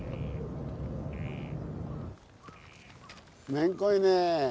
めんこいねえ。